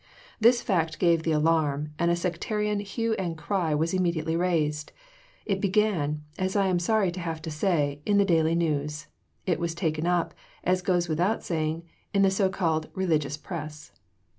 This fact gave the alarm, and a sectarian hue and cry was immediately raised. It began, as I am sorry to have to say, in the Daily News; it was taken up, as goes without saying, in the so called "religious press."